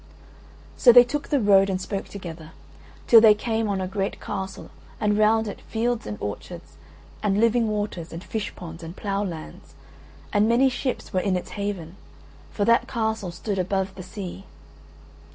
So they took the road and spoke together, till they came on a great castle and round it fields and orchards, and living waters and fish ponds and plough lands, and many ships were in its haven, for that castle stood above the sea.